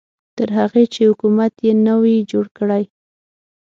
تر هغې چې حکومت یې نه وي جوړ کړی.